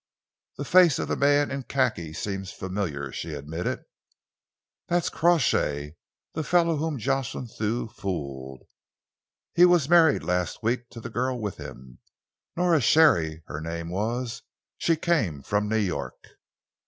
"The face of the man in khaki seems familiar," she admitted. "That's Crawshay, the fellow whom Jocelyn Thew fooled. He was married last week to the girl with him. Nora Sharey, her name was. She came from New York."